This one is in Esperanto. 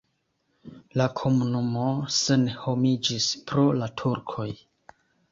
La komunumo senhomiĝis pro la turkoj.